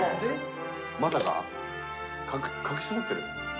まさか隠し持ってる？